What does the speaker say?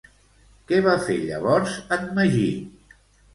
Què va fer llavors en Magí?